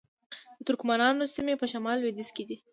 د ترکمنانو سیمې په شمال لویدیځ کې دي